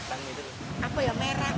apa ya merah merah apa